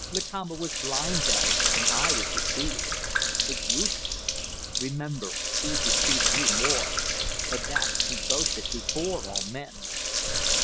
Lakamba was blind then, and I was deceived. But you, Tuan! Remember, he deceived you more. Of that he boasted before all men."